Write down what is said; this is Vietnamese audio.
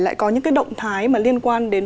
lại có những động thái liên quan đến